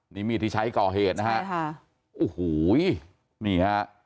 นี่มีดที่ใช้ก่อเหตุนะฮะโอ้โหนี่ฮะ